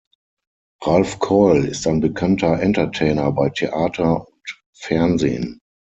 Ralf Keul ist ein bekannter Entertainer bei Theater und Fernsehen.